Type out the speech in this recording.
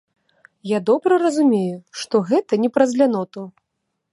Я добра разумею, што гэта не праз ляноту.